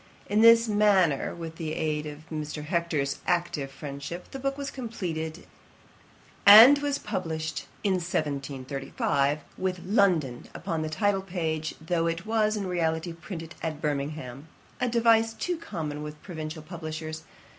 In this manner, with the aid of Mr. Hector's active friendship, the book was completed, and was published in 1735, with LONDON upon the title page, though it was in reality printed at Birmingham, a device too common with provincial publishers.